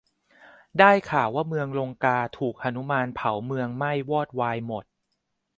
ได้ข่าวว่าเมืองลงกาถูกหนุมานเผาเมืองไหม้วอดวายหมด